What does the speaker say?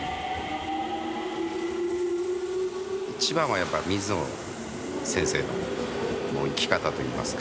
一番はやっぱり水野先生の生き方といいますか。